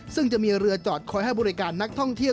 ซึ่งจะมีเรือจอดคอยให้บริการนักท่องเที่ยว